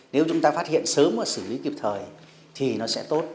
nếu chúng ta phát hiện sớm và xử lý kịp thời thì nó sẽ tốt